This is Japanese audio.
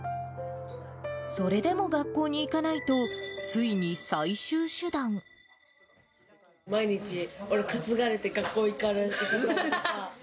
それでも学校に行かないと、毎日、担がれて学校に連れていかれてさ。